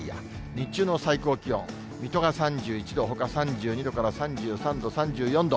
日中の最高気温、水戸が３１度、ほか３２度から３３度、３４度。